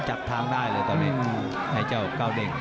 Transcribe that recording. จับทางได้เลยตอนนี้ไอ้เจ้าเก้าเด่ง